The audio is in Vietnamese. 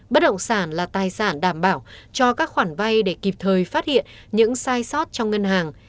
bất động sản là tài sản đảm bảo cho các khoản vay để kịp thời phát hiện những sai sót trong ngân hàng